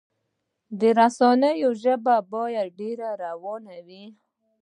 د رسنیو ژبه باید ډیره روانه وي.